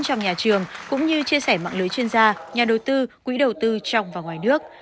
trong nhà trường cũng như chia sẻ mạng lưới chuyên gia nhà đầu tư quỹ đầu tư trong và ngoài nước